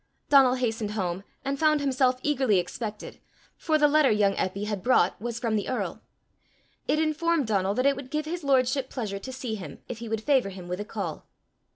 Donal hastened home, and found himself eagerly expected, for the letter young Eppy had brought was from the earl. It informed Donal that it would give his lordship pleasure to see him, if he would favour him with a call.